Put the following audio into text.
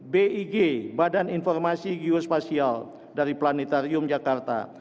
big badan informasi geospasial dari planetarium jakarta